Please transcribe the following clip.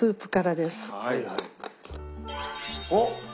おっ！